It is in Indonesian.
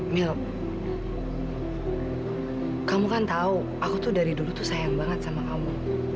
mil kamu kan tau aku tuh dari dulu sayang banget sama kamu